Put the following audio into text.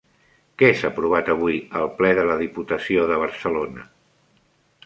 Què s'ha aprovat avui al ple de la Diputació de Barcelona?